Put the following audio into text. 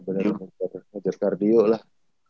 bener bener aja kardio lah